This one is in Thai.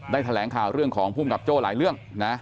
แถลงข่าวเรื่องของภูมิกับโจ้หลายเรื่องนะ